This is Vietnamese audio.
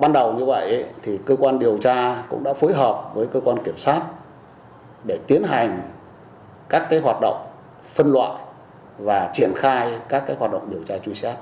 ban đầu như vậy thì cơ quan điều tra cũng đã phối hợp với cơ quan kiểm soát để tiến hành các hoạt động phân loại và triển khai các hoạt động điều tra truy xét